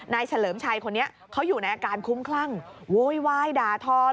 เฉลิมชัยคนนี้เขาอยู่ในอาการคุ้มคลั่งโวยวายด่าทอ